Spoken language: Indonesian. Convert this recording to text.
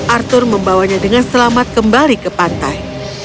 arthur membawanya dengan selamat kembali ke pantai